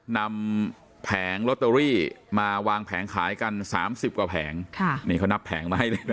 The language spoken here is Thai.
แผงลอตเตอรี่มาวางแผงขายกันสามสิบกว่าแผงค่ะนี่เขานับแผงมาให้เลยนะ